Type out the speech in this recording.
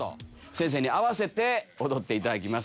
先生に合わせて踊っていただきます。